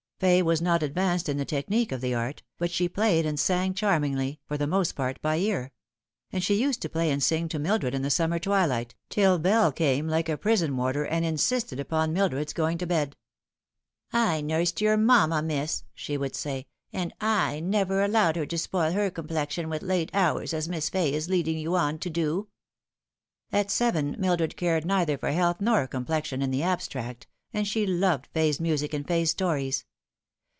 Fay was not advanced in the technique of the art, but she played and sang charmingly, for the most part by ear ; and she used to play and sing to Mildred in the summer twilight, till Bell came like a prison warder and insisted upon Mildred's going to bed. " I nursed your mamma, miss," she would i?ay, " and / never allowed her to spoil her complexion with late hours as Miss Fay is leading you on to do." At seven Mildred cared neither for health nor complexion ia the abstract, and she loved Fay's music and Fay's stories.